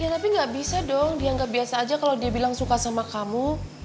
ya tapi nggak bisa dong dia nggak biasa aja kalau dia bilang suka sama kamu